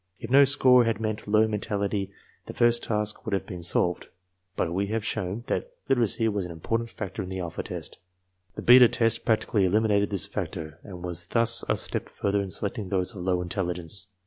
If no score had meant low mentality the first task would have been solved; but we have shown that literacy was an important factor in the alpha test. The beta test practically eliminated this factor and was thus a step further in selecting those of low intelligence.